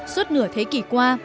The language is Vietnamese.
suốt nửa thế kỷ qua